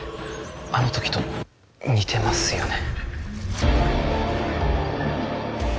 あの時と似てますよね。